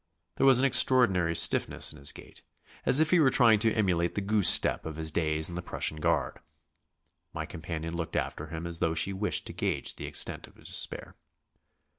There was an extraordinary stiffness in his gait, as if he were trying to emulate the goose step of his days in the Prussian Guard. My companion looked after him as though she wished to gauge the extent of his despair.